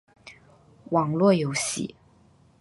网络游戏